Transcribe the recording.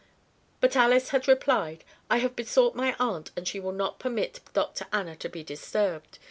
But Alys had replied: "I have besought my aunt, and she will not permit Dr. Anna to be disturbed.